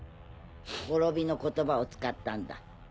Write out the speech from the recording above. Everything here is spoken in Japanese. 亡びの言葉を使ったんだ。